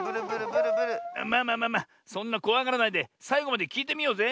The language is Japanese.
まあまあそんなこわがらないでさいごまできいてみようぜ。